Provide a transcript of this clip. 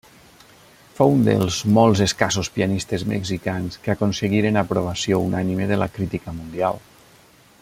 Fou un dels molts escassos pianistes mexicans que aconseguiren aprovació unànime de la crítica mundial.